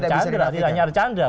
saya pikir di archandra